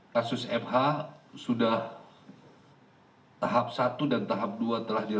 kasus fh sudah tahap satu dan tahap dua sudah berakhir